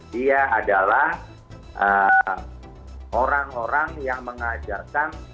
dia adalah orang orang yang mengajarkan